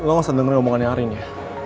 eva lo gak usah dengerin omongannya arin ya